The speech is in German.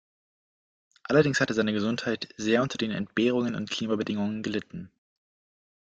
Allerdings hatte seine Gesundheit sehr unter den Entbehrungen und Klimabedingungen gelitten.